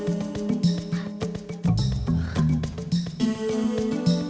aku memang punya henang